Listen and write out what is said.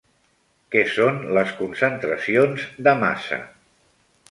Què són les concentracions de massa?